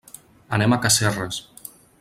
Anem a Casserres.